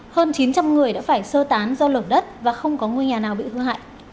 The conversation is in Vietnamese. hơn chín trăm linh người đã phải sơ tán do lở đất và không có ngôi nhà nào bị hư hại